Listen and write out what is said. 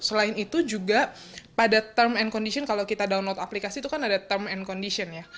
selain itu juga pada term and condition kalau kita download aplikasi itu kan ada term and condition ya